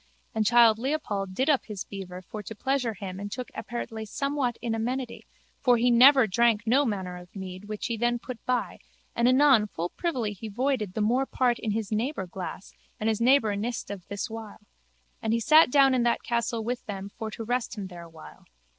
And childe Leopold did up his beaver for to pleasure him and took apertly somewhat in amity for he never drank no manner of mead which he then put by and anon full privily he voided the more part in his neighbour glass and his neighbour nist not of this wile. And he sat down in that castle with them for to rest him there awhile.